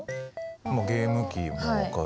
ゲーム機も分かる。